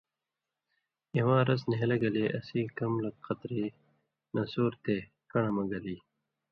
اِواں رس نھیلہ گلے اسیں کم لک قطری نسُور تے کن٘ڑہۡ مہ گلی۔